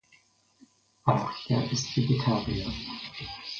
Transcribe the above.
Archer ist Vegetarier.